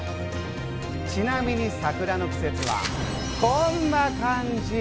ちなみに桜の季節はこんな感じ。